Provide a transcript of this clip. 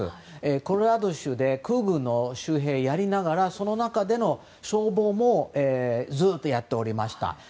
コロラド州で空軍の州兵をやりながらその中での消防もずっとやっておりました。